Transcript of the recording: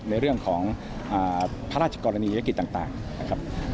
ในเรื่องของพระราชกรณียกิจต่างนะครับ